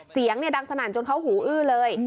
เสียงดังสนั่นจนเขาหูอื้อเลย